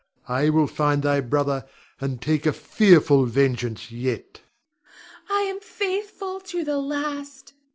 I will find thy brother and take a fearful vengeance yet. Theresa. I am faithful to the last.